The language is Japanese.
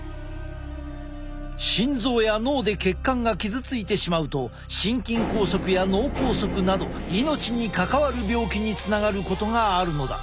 心臓や脳で血管が傷ついてしまうと心筋梗塞や脳梗塞など命に関わる病気につながることがあるのだ。